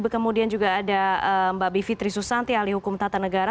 kemudian juga ada mbak bivitri susanti ahli hukum tata negara